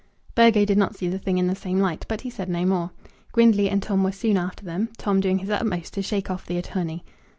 Burgo did not see the thing in the same light, but he said no more. Grindley and Tom were soon after them, Tom doing his utmost to shake off the attorney.